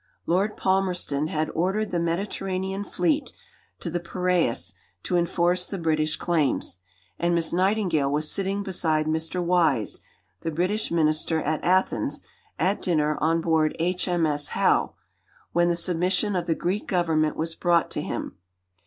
Lord Palmerston had ordered the Mediterranean Fleet to the Peiraeus to enforce the British claims, and Miss Nightingale was sitting beside Mr. Wyse, the British Minister at Athens, at dinner on board H.M.S. Howe, when the submission of the Greek Government was brought to him.